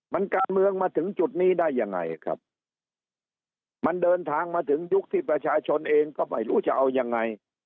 มันการเมืองมาถึงจุดนี้ได้ยังไงครับมันเดินทางมาถึงยุคที่ประชาชนเองก็ไม่รู้จะเอายังไง